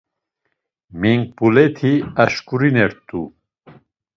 Menkbuleti aşǩurinert̆u.